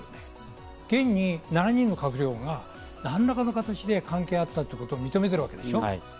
現に７人の閣僚が何らかの形で関係があったということを認めてるわけでしょ。